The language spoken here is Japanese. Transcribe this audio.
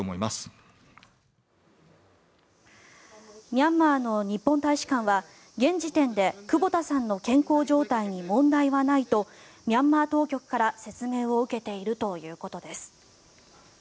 ミャンマーの日本大使館は現時点で久保田さんの健康状態に問題はないとミャンマー当局から説明を受けているということです。